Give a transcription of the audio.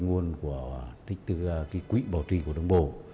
về hạ tầng giao thông